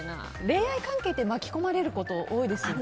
恋愛関係って巻き込まれること多いですよね。